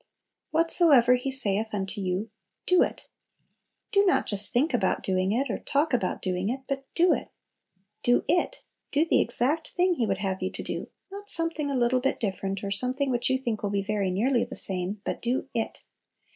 "Whatsoever He saith unto you, do it." Do not just think about doing it, or talk about doing it, but do it! "Do it!" Do the exact thing He would have you do, not something a little bit different, or something which you think will be very nearly the same, but do _"it."